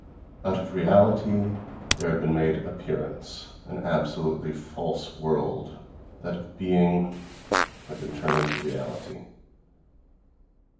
Out of reality there had been made "appearance"; an absolutely false world, that of being, had been turned into reality....